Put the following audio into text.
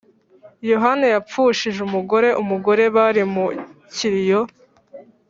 yohana yapfushije umugore umugore, bari mu kiriyo.